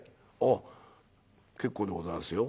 「あっ結構でございますよ。